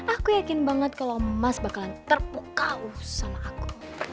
aku yakin banget kalau emas bakalan terpukau sama aku